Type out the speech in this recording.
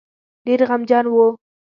ډېر غمجن وو.